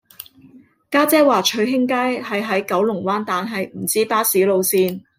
家姐話翠興街係喺九龍灣但係唔知巴士路線